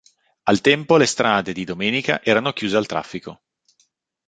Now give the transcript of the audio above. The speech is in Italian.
Al tempo le strade, di domenica, erano chiuse al traffico.